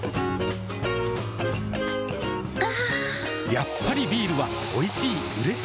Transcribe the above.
やっぱりビールはおいしい、うれしい。